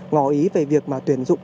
ngỏ ý về việc mà tuyển dụng